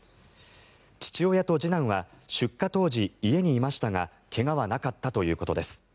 父親と次男は出火当時、家にいましたが怪我はなかったということです。